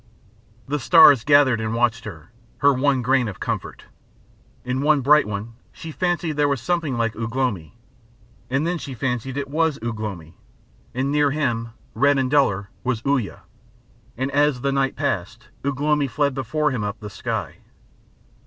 The stars gathered and watched her her one grain of comfort. In one bright one she fancied there was something like Ugh lomi. Then she fancied it was Ugh lomi. And near him, red and duller, was Uya, and as the night passed Ugh lomi fled before him up the sky.